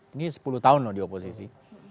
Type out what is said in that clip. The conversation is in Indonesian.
ini sepuluh tahun loh di oposisi